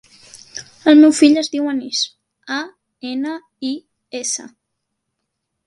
El meu fill es diu Anis: a, ena, i, essa.